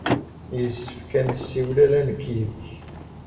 Yessefk ad nessiwel ala nekk yid-k.